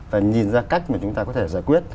và nhìn ra cách mà chúng ta có thể giải quyết